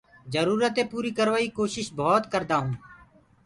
جرورتينٚ پوريٚ ڪروائيٚ ڪوشيشينٚ ڀوَت ڪردآئونٚ